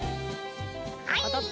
はい。